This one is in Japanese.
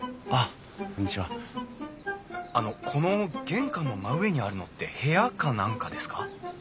あのこの玄関の真上にあるのって部屋か何かですか？